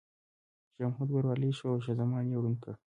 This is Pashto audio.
شاه محمود بریالی شو او شاه زمان یې ړوند کړ.